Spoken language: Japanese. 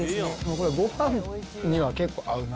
これ、ごはんには結構合うな。